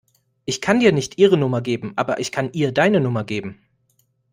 Ich kann dir nicht ihre Nummer geben, aber ich kann ihr deine Nummer geben.